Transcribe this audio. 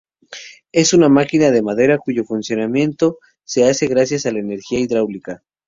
Es una máquina de madera cuyo funcionamiento se hace gracias a la energía hidráulica.